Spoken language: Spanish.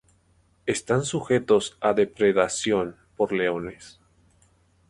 Están sujetos a depredación por leones.